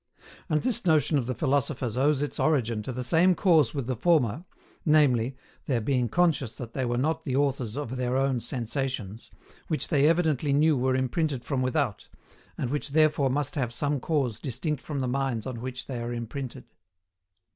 And this notion of the philosophers owes its origin to the same cause with the former, namely, their being conscious that they were not the authors of their own sensations, which they evidently knew were imprinted from without, and which therefore must have some cause distinct from the minds on which they are imprinted.